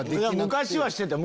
昔はしてて？